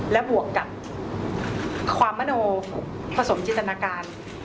และบวกกับความมโนผสมจินตนาการ